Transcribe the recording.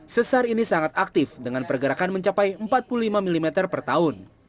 sesar ini sangat aktif dengan pergerakan mencapai empat puluh lima mm per tahun